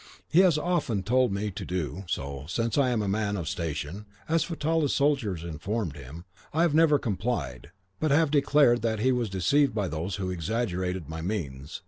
He has often told me to do so, since I am a man of station, as Fatallah's soldiers informed him; I have never complied, but have declared that he was deceived by those who had exaggerated my means.